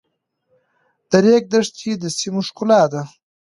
د ریګ دښتې د سیمو ښکلا ده.